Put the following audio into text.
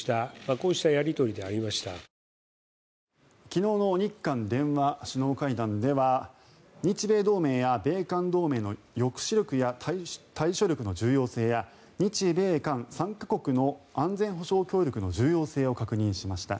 昨日の日韓電話首脳会談では日米同盟や米韓同盟の抑止力や対処力の重要性や日米韓３か国の安全保障協力の重要性を確認しました。